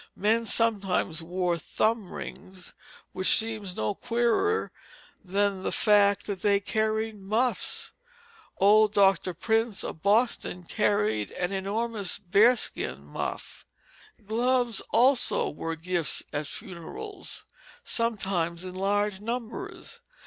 Men sometimes wore thumb rings, which seems no queerer than the fact that they carried muffs. Old Dr. Prince of Boston carried an enormous bearskin muff. Gloves also were gifts at funerals, sometimes in large numbers.